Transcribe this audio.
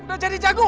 udah jadi jagoan lu